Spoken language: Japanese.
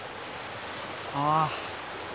ああ。